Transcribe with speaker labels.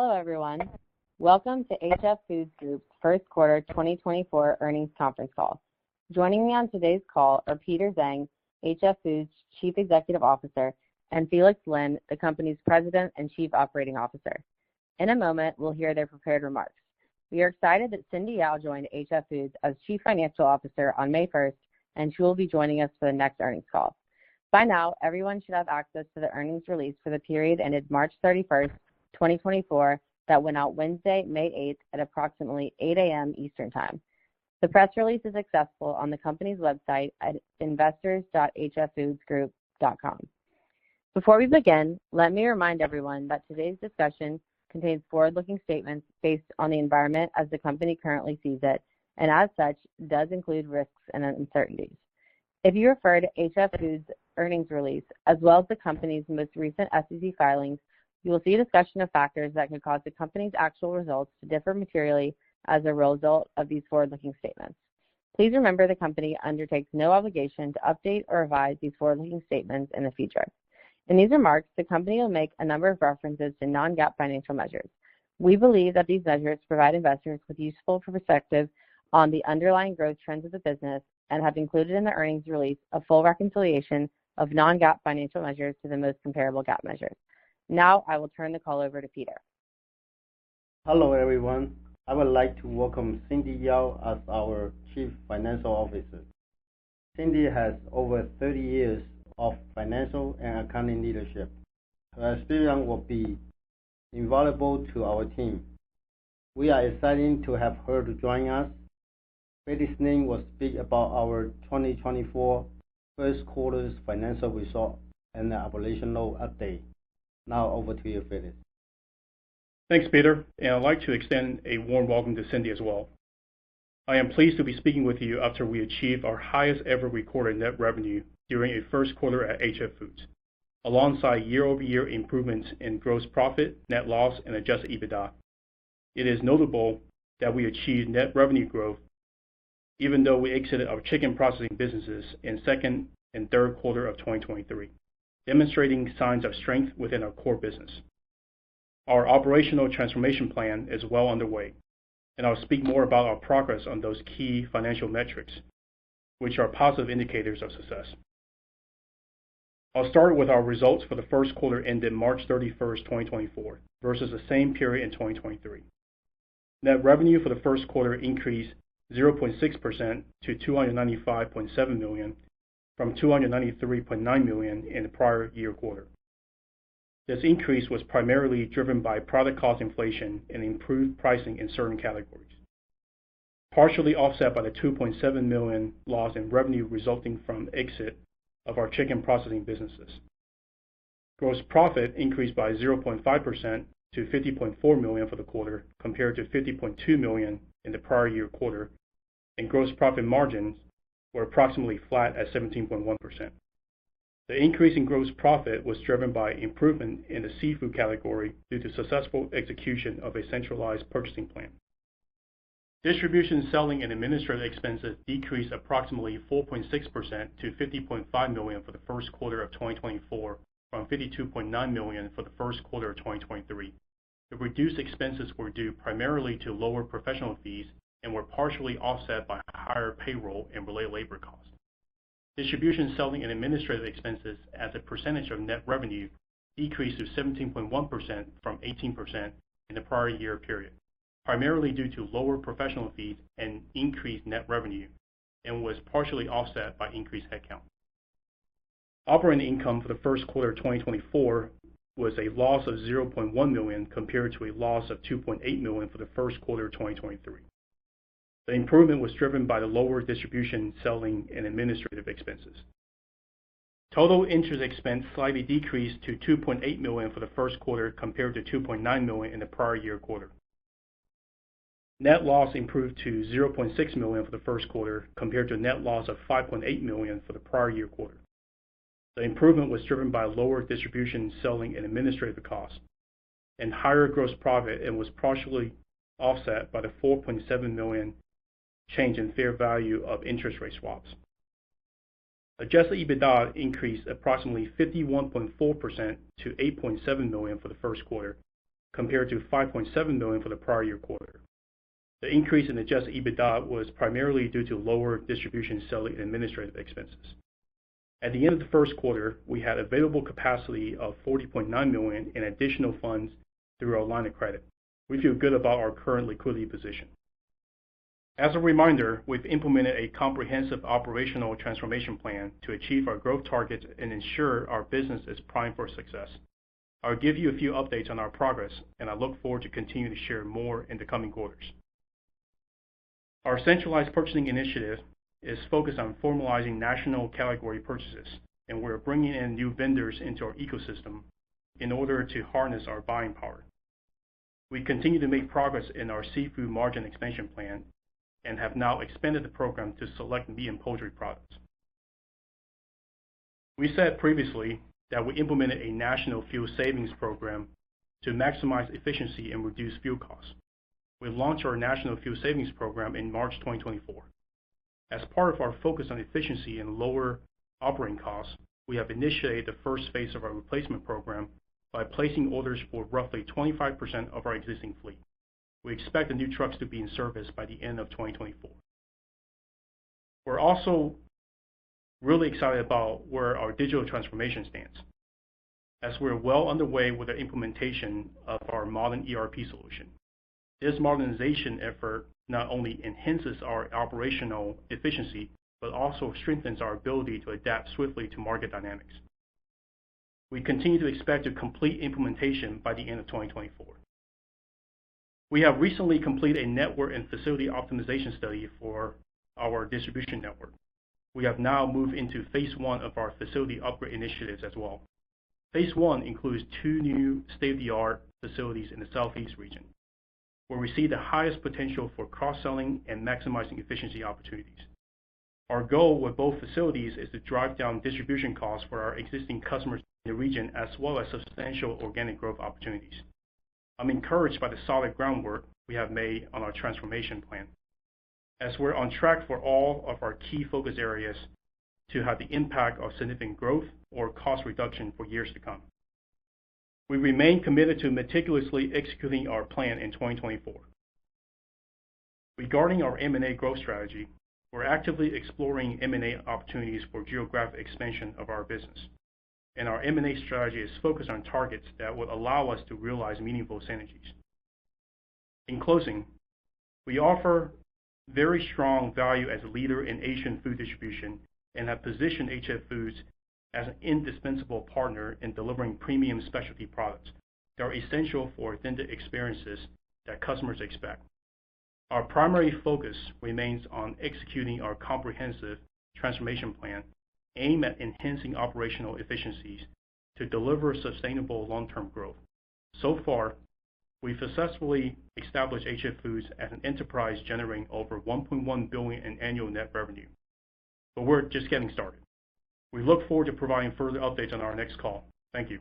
Speaker 1: Hello everyone, welcome to HF Foods Group's first quarter 2024 earnings conference call. Joining me on today's call are Peter Zhang, HF Foods' Chief Executive Officer, and Felix Lin, the company's President and Chief Operating Officer. In a moment we'll hear their prepared remarks. We are excited that Cindy Yao joined HF Foods as Chief Financial Officer on May 1st, and she will be joining us for the next earnings call. By now, everyone should have access to the earnings release for the period ended March 31, 2024 that went out Wednesday, May 8, at approximately 8:00 A.M. Eastern Time. The press release is accessible on the company's website at investors.hffoodsgroup.com. Before we begin, let me remind everyone that today's discussion contains forward-looking statements based on the environment as the company currently sees it, and as such does include risks and uncertainties. If you refer to HF Foods' earnings release as well as the company's most recent SEC filings, you will see a discussion of factors that could cause the company's actual results to differ materially as a result of these forward-looking statements. Please remember the company undertakes no obligation to update or revise these forward-looking statements in the future. In these remarks, the company will make a number of references to non-GAAP financial measures. We believe that these measures provide investors with useful perspective on the underlying growth trends of the business and have included in the earnings release a full reconciliation of non-GAAP financial measures to the most comparable GAAP measures. Now I will turn the call over to Peter.
Speaker 2: Hello everyone, I would like to welcome Cindy Yao as our Chief Financial Officer. Cindy has over 30 years of financial and accounting leadership. Her experience will be invaluable to our team. We are excited to have her to join us. Felix Lin will speak about our 2024 first quarter's financial result and the operational update. Now over to you, Felix.
Speaker 3: Thanks, Peter, and I'd like to extend a warm welcome to Cindy as well. I am pleased to be speaking with you after we achieved our highest-ever recorded net revenue during a first quarter at HF Foods, alongside year-over-year improvements in gross profit, net loss, and adjusted EBITDA. It is notable that we achieved net revenue growth even though we exited our chicken processing businesses in second and third quarter of 2023, demonstrating signs of strength within our core business. Our operational transformation plan is well underway, and I'll speak more about our progress on those key financial metrics, which are positive indicators of success. I'll start with our results for the first quarter ended March 31, 2024, versus the same period in 2023. Net revenue for the first quarter increased 0.6% to $295.7 million from $293.9 million in the prior year quarter. This increase was primarily driven by product cost inflation and improved pricing in certain categories, partially offset by the $2.7 million loss in revenue resulting from exit of our chicken processing businesses. Gross profit increased by 0.5% to $50.4 million for the quarter compared to $50.2 million in the prior year quarter, and gross profit margins were approximately flat at 17.1%. The increase in gross profit was driven by improvement in the seafood category due to successful execution of a centralized purchasing plan. Distribution, selling, and administrative expenses decreased approximately 4.6% to $50.5 million for the first quarter of 2024 from $52.9 million for the first quarter of 2023. The reduced expenses were due primarily to lower professional fees and were partially offset by higher payroll and related labor costs. Distribution, selling, and administrative expenses as a percentage of net revenue decreased to 17.1% from 18% in the prior year period, primarily due to lower professional fees and increased net revenue, and was partially offset by increased headcount. Operating income for the first quarter of 2024 was a loss of $0.1 million compared to a loss of $2.8 million for the first quarter of 2023. The improvement was driven by the lower distribution, selling, and administrative expenses. Total interest expense slightly decreased to $2.8 million for the first quarter compared to $2.9 million in the prior year quarter. Net loss improved to $0.6 million for the first quarter compared to a net loss of $5.8 million for the prior year quarter. The improvement was driven by lower distribution, selling, and administrative costs, and higher gross profit and was partially offset by the $4.7 million change in fair value of interest rate swaps. Adjusted EBITDA increased approximately 51.4% to $8.7 million for the first quarter compared to $5.7 million for the prior year quarter. The increase in adjusted EBITDA was primarily due to lower distribution, selling, and administrative expenses. At the end of the first quarter, we had available capacity of $40.9 million in additional funds through our line of credit. We feel good about our current liquidity position. As a reminder, we've implemented a comprehensive operational transformation plan to achieve our growth targets and ensure our business is primed for success. I'll give you a few updates on our progress, and I look forward to continuing to share more in the coming quarters. Our centralized purchasing initiative is focused on formalizing national category purchases, and we're bringing in new vendors into our ecosystem in order to harness our buying power. We continue to make progress in our seafood margin expansion plan and have now expanded the program to select meat and poultry products. We said previously that we implemented a national fuel savings program to maximize efficiency and reduce fuel costs. We launched our national fuel savings program in March 2024. As part of our focus on efficiency and lower operating costs, we have initiated the first phase of our replacement program by placing orders for roughly 25% of our existing fleet. We expect the new trucks to be in service by the end of 2024. We're also really excited about where our digital transformation stands, as we're well underway with the implementation of our modern ERP solution. This modernization effort not only enhances our operational efficiency but also strengthens our ability to adapt swiftly to market dynamics. We continue to expect to complete implementation by the end of 2024. We have recently completed a network and facility optimization study for our distribution network. We have now moved into phase one of our facility upgrade initiatives as well. Phase one includes two new state-of-the-art facilities in the Southeast region, where we see the highest potential for cross-selling and maximizing efficiency opportunities. Our goal with both facilities is to drive down distribution costs for our existing customers in the region as well as substantial organic growth opportunities. I'm encouraged by the solid groundwork we have made on our transformation plan, as we're on track for all of our key focus areas to have the impact of significant growth or cost reduction for years to come. We remain committed to meticulously executing our plan in 2024. Regarding our M&A growth strategy, we're actively exploring M&A opportunities for geographic expansion of our business, and our M&A strategy is focused on targets that would allow us to realize meaningful synergies. In closing, we offer very strong value as a leader in Asian food distribution and have positioned HF Foods as an indispensable partner in delivering premium specialty products that are essential for authentic experiences that customers expect. Our primary focus remains on executing our comprehensive transformation plan aimed at enhancing operational efficiencies to deliver sustainable long-term growth. So far, we've successfully established HF Foods as an enterprise generating over $1.1 billion in annual net revenue, but we're just getting started. We look forward to providing further updates on our next call. Thank you.